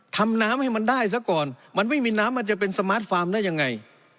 ทำน้ำให้มันได้ซะก่อนมันไม่มีน้ำมันจะเป็นสมาร์ทฟาร์มได้ยังไง